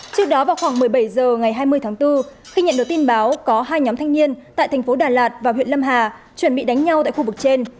trước đó vào khoảng một mươi bảy h ngày hai mươi tháng bốn khi nhận được tin báo có hai nhóm thanh niên tại thành phố đà lạt và huyện lâm hà chuẩn bị đánh nhau tại khu vực trên